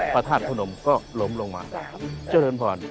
พระธาตุพนมก็ล้มลงมาเจริญพร